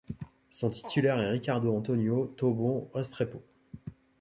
Son titulaire est Ricardo Antonio Tobón Restrepo.